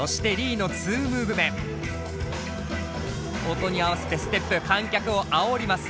音に合わせてステップ観客をあおります。